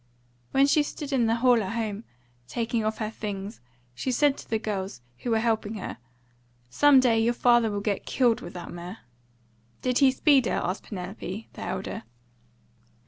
When she stood in the hall at home, taking off her things, she said to the girls, who were helping her, "Some day your father will get killed with that mare." "Did he speed her?" asked Penelope, the elder.